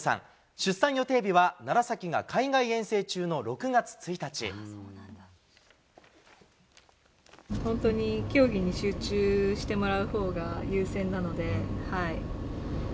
出産予定日は、本当に、競技に集中してもらうほうが優先なので。